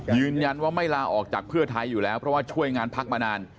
ยืนยันว่าไม่ลาออกจากเพื่อไทยอยู่แล้วเพราะว่าช่วยงานพักมานาน